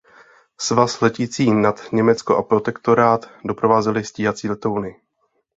Svaz letící nad Německo a Protektorát doprovázely stíhací letouny.